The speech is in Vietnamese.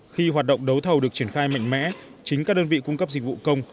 khi hoạt động đấu thầu được triển khai mạnh mẽ chính các đơn vị cung cấp dịch vụ công